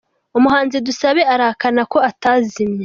Umuhanzi Dusabe arahakana ko atazimye